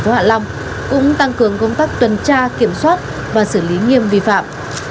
cũng tăng cường công tác tuần tra kiểm soát và xử lý nghiêm vi phạm